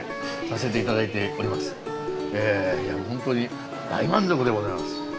いやホントに大満足でございます。